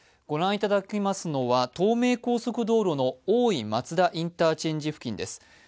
御覧いただきますのは東名高速道路の大井松田インターチェンジ付近です。